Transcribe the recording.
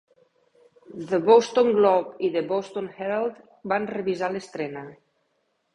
"The Boston Globe" i "The Boston Herald" van revisar l'estrena.